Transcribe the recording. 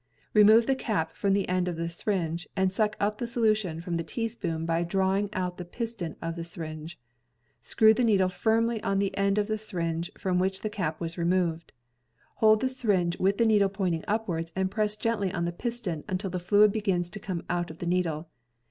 Remove the cap from the end of the syringe and suck up the solution from the teaspoon by draw ing out the piston of the syringe. Screw the needle firmly on the end of the syringe from which the cap was removed. Hold the syringe with the needle pointing upwards and press gently on the piston until the fluid begins to come out of the needle.